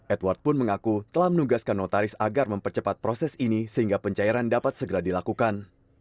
edward pun mengaku telah menugaskan notaris agar mempercepat proses ini sehingga pencairan dapat segera dilakukan